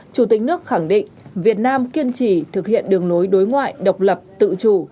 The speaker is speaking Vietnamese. chủ tịch nước khẳng định việt nam kiên trì thực hiện đường lối đối ngoại độc lập tự chủ